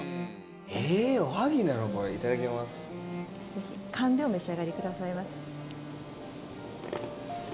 ぜひかんでお召し上がりくださいませ。